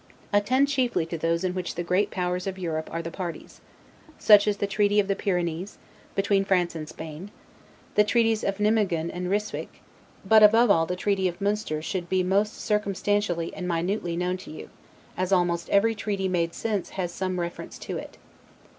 Attend chiefly to those in which the great powers of Europe are the parties; such as the treaty of the Pyrenees, between France and Spain; the treaties of Nimeguen and Ryswick; but, above all, the treaty of Munster should be most circumstantially and minutely known to you, as almost every treaty made since has some reference to it.